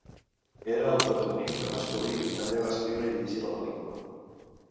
Era el protagonista masculí i també va escriure i dirigir la pel·lícula.